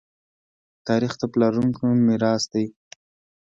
تاریخ د پلارونکو میراث دی.